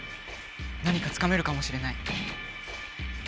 何かつかめるかもしれない。